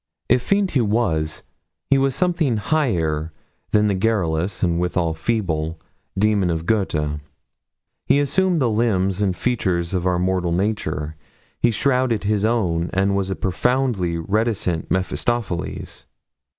If fiend he was, he was yet something higher than the garrulous, and withal feeble, demon of Goethe. He assumed the limbs and features of our mortal nature. He shrouded his own, and was a profoundly reticent Mephistopheles.